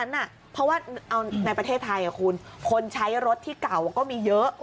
ไม่งั้นน่ะเพราะว่าในประเทศไทยอ่ะคนใช้รถที่เก่าก็มีเยอะ